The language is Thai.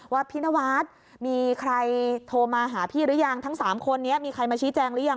ว่าพี่นวัดมีใครโทรมาหาพี่หรือยังทั้ง๓คนนี้มีใครมาชี้แจงหรือยัง